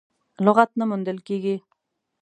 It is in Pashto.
لغت نه موندل کېږي.